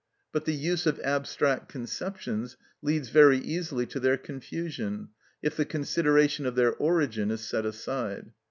But the use of abstract conceptions leads very easily to their confusion if the consideration of their origin is set aside.